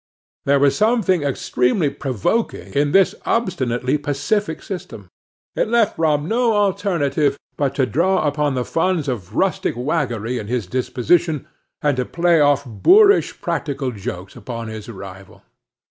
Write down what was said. There was something extremely provoking in this obstinately pacific system; it left Brom no alternative but to draw upon the funds of rustic waggery in his disposition, and to play off boorish practical jokes upon his rival.